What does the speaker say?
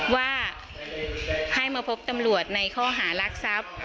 ว่าให้มาพบตำรวจในข้อหารักทรัพย์